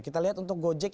kita lihat untuk gojek